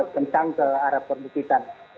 kencang ke arah perbukitan